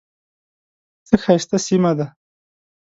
څه ښایسته سیمه ده .